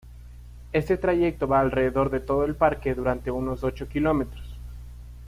Este trayecto va alrededor de todo el parque durante unos ocho kilómetros.